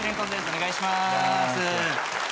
お願いします。